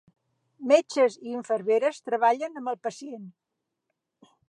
Metges i infermeres treballen amb el pacient.